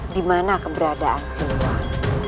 dimana keberadaan siluan